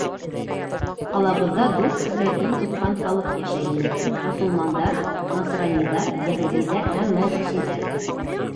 Ҡалабыҙҙа дүрт төрлө дин тотҡан халыҡ йәшәй ине: мосолмандар, насраниҙар, йәһүдиҙәр һәм мәжүсиҙәр.